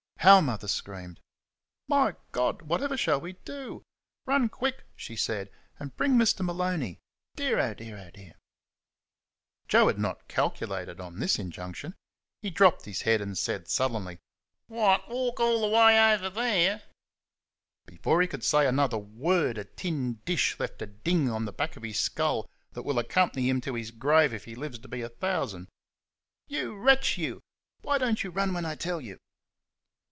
How Mother screamed! "My God! whatever shall we do? Run quick," she said, "and bring Mr. Maloney. Dear! oh dear! oh dear!" Joe had not calculated on this injunction. He dropped his head and said sullenly: "Wot, walk all the way over there?" Before he could say another word a tin dish left a dinge on the back of his skull that will accompany him to his grave if he lives to be a thousand. "You wretch, you! Why don't you run when I tell you?"